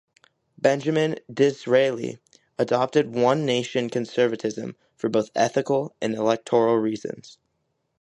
Benjamin Disraeli adopted one-nation conservatism for both ethical and electoral reasons.